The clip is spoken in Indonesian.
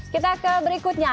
kita ke berikutnya